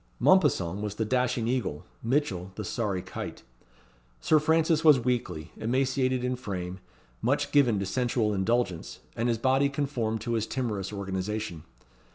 Mompesson was the dashing eagle; Mitchell the sorry kite. Sir Francis was weakly, emaciated in frame; much given to sensual indulgence; and his body conformed to his timorous organization.